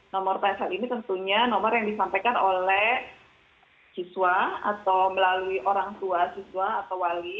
nomor psl ini tentunya nomor yang disampaikan oleh siswa atau melalui orang tua siswa atau wali